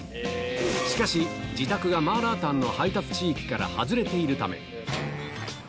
しかし、自宅が麻辣湯の配達地域から外れているため。